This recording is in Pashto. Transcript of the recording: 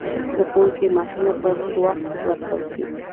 د ښوونکو معاشونه پر وخت ورکول کیږي؟